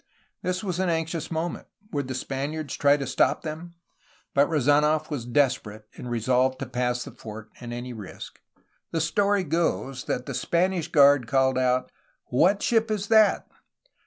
This was an anxious moment. Would the Spaniards try to stop them? But Rezanof was desperate, and resolved to pass the fort at any risk. The story goes that the Spanish guard called out: "What ship is that?"